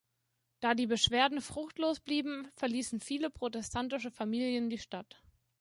Da die Beschwerden fruchtlos blieben, verließen viele protestantische Familien die Stadt.